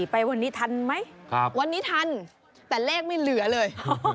ไปวันนี้ทันไหมวันนี้ทันแต่เลขไม่เหลือเลย